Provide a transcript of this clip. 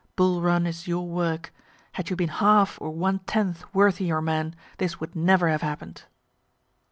Bull Run is your work; had you been half or one tenth worthy your men, this would never have happen'd.)